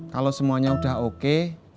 kalau semuanya udah oke